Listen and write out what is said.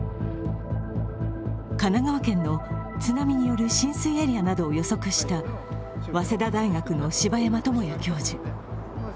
神奈川県の、津波による浸水エリアなどを予測した早稲田大学の柴山知也教授。